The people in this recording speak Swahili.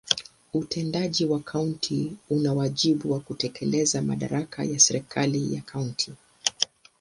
Utendaji wa kaunti una wajibu wa kutekeleza madaraka ya serikali ya kaunti.